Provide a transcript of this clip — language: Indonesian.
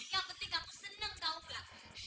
yang penting kamu senang tahu nggak